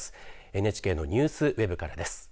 ＮＨＫのニュースウェブからです。